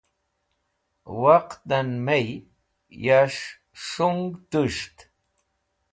Waq dan my yash shũng tus̃ht.